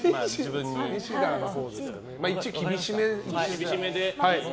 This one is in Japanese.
一応、厳しめで。